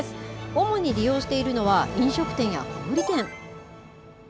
主に利用しているのは、飲食店や小売り店。